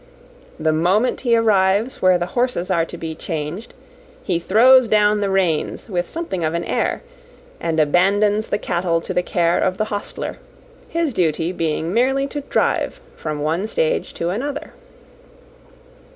The moment he arrives where the horses are to be changed, he throws down the reins with something of an air, and abandons the cattle to the care of the hostler; his duty being merely to drive from one stage to another.